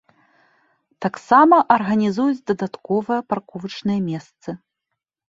Таксама арганізуюць дадатковыя парковачныя месцы.